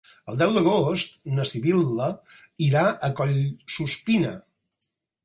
El deu d'agost na Sibil·la irà a Collsuspina.